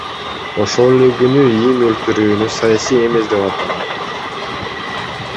Ошол эле күнү ИИМ өлтүрүүнү саясий эмес деп атаган.